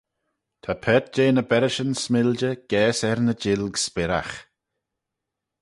Ta paart jeh ny berrishyn s'miljey gaase er ny jilg s'birragh.